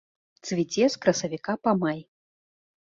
Цвіце з красавіка па май.